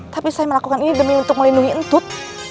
tapi saya melakukan ini demi untuk melindungi entut